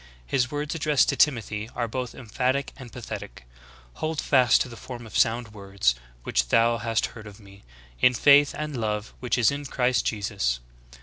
His words addressed to Timothy are both emphatic and pathetic : "Hold fast the form of sound words, Vv'hich thou hast heard of me, in faith and love which is in Christ Jesus.